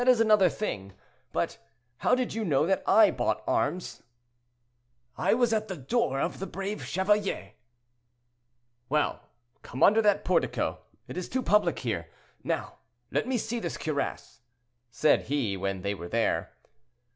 "Oh! that is another thing; but how did you know that I bought arms?" "I was at the door of 'The Brave Chevalier.'" "Well, come under that portico; it is too public here. Now, let me see this cuirass," said he, when they were there.